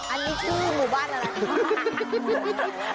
อันนี้ชื่อหมู่บ้านอะไร